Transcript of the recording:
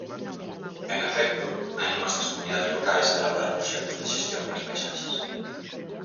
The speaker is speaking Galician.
En efecto, anímase ás comunidades locais a elaborar proxectos de xestión para as paisaxes.